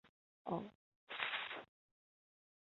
之后又有柠檬黄导致的过敏反应被陆续报道出来。